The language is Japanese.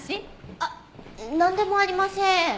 あっなんでもありません。